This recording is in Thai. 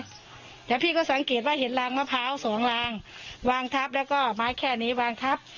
แล้วพี่ก็สังเกตว่าเห็นลางมะพร้าวสองลางวางทับแล้วก็ไม้แค่นี้วางทับ